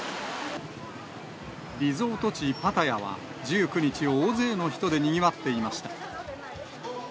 リゾート地、パタヤは１９日、大勢の人でにぎわっていました。